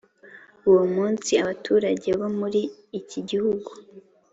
Uwo munsi abaturage bo muri iki gihugu